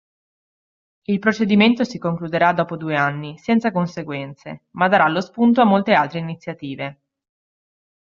Il procedimento si concluderà dopo due anni, senza conseguenze, ma darà lo spunto a molte altre iniziative.